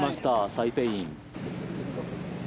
サイ・ペイイン。